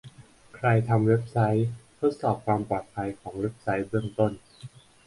ใครทำเว็บไซต์ ทดสอบความปลอดภัยของเว็บไซต์เบื้องต้น